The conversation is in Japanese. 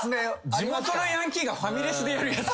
地元のヤンキーがファミレスでやるやつ。